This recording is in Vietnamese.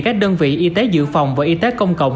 các đơn vị y tế dự phòng và y tế công cộng